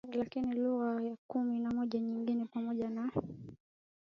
katiba lakini lugha kumi na moja nyingine pamoja na